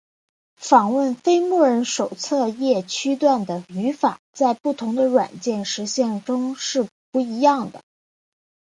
访问非默认手册页区段的语法在不同的软件实现中是不一样的。